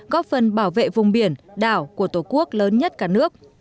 góp phần bảo vệ vùng biển đảo của tổ quốc lớn nhất cả nước